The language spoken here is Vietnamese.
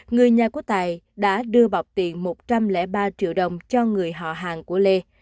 người nhà của tài đã đưa bọc tiền một trăm linh ba triệu đồng cho người họ hàng của lê